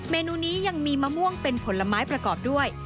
เมนูนี้ยังมีมะม่วงเป็นผลไม้ประกอบด้วย